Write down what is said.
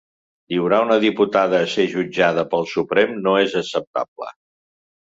Lliurar una diputada a ser jutjada pel Suprem no és acceptable.